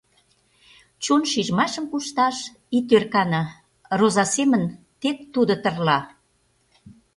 Чон шижмашым кушташ ит ӧркане, роза семын тек тудо тырла.